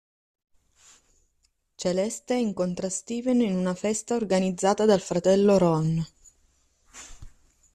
Celeste incontra Steven in una festa organizzata dal fratello Ron.